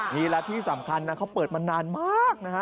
นี่และที่สำคัญนะเขาเปิดมานานมากนะฮะ